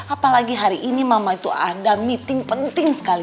apalagi hari ini mama itu ada meeting penting sekali